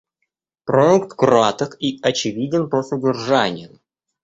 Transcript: Проект краток и очевиден по содержанию.